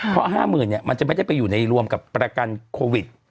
เพราะ๕๐๐๐มันจะไม่ได้ไปอยู่ในรวมกับประกันโควิด